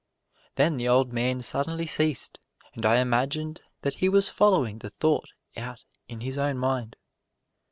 Then the old man suddenly ceased and I imagined that he was following the thought out in his own mind.